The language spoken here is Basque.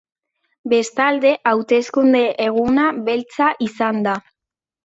Bestalde, hauteskunde eguna beltza izan da.